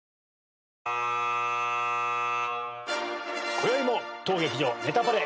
こよいも当劇場『ネタパレ』